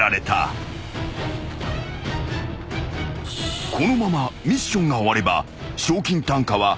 ［このままミッションが終われば賞金単価は１００円にアップ］